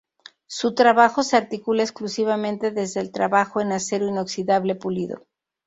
Su trabajo se articula exclusivamente desde el trabajo en acero inoxidable pulido.